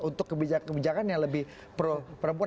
untuk kebijakan kebijakan yang lebih pro perempuan